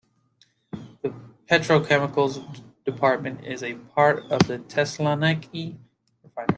The petrochemicals department is a part of the Thessaloniki refinery.